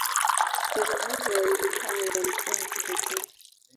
Mazungumzo ya wawili hawa, yalikuwa ya kipekee.